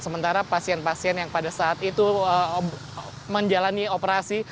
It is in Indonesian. sementara pasien pasien yang pada saat itu menjalani operasi